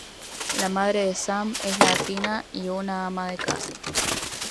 La madre de Sam es latina y una ama de casa.